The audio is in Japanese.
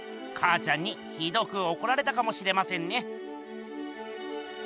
かあちゃんにひどくおこられたかもしれませんね。